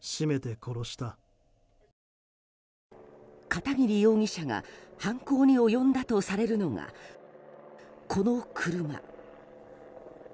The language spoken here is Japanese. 片桐容疑者が犯行に及んだとされるのがこの車。